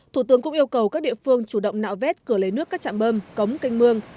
thủ tướng cũng yêu cầu các địa phương chủ động nạo vét cửa lấy nước các trạm bơm cống canh mương